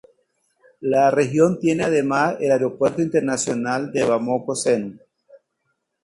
La región tiene además el aeropuerto internacional de Bamako-Senu.